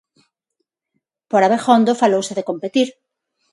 Por Abegondo falouse de competir.